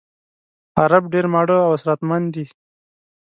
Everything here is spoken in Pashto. عرب ډېر ماړه او اسراتمن دي.